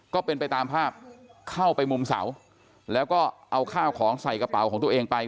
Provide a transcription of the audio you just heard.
ก็เป็นไปตามภาพเข้าไปมุมเสาแล้วก็เอาข้าวของใส่กระเป๋าของตัวเองไป